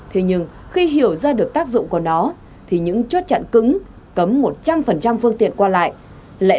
thế nhưng khi hiểu ra được tác dụng của nó thì những chốt chặn cứng cấm một trăm linh phương tiện qua lại